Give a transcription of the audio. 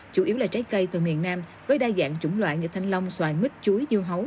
hai nghìn hai mươi ba chủ yếu là trái cây từ miền nam với đa dạng chủng loại như thanh long xoài mít chuối dưa hấu